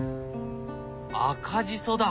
赤じそだ。